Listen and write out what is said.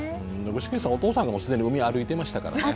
具志堅さんお父さんがもう既に海歩いてましたからね。